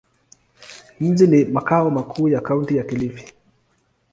Mji ni makao makuu ya Kaunti ya Kilifi.